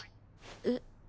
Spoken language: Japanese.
えっ？